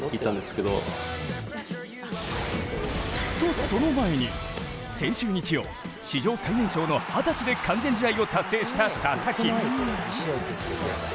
と、その前に先週日曜史上最年少の二十歳で完全試合を達成した佐々木。